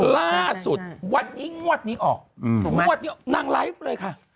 ล่าสุดวันนี้งวดนี้ออกงวดนี้นางไลฟ์เลยค่ะ